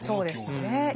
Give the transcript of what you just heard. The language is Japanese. はいそうですね。